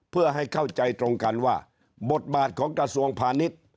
เพื่อให้เข้าใจตรงกันว่าบทบาทของกระทรวงพาณิชย์